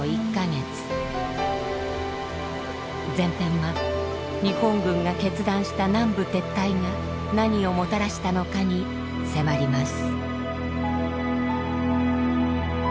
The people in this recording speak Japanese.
前編は日本軍が決断した南部撤退が何をもたらしたのかに迫ります。